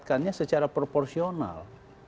menempatkannya secara proporsional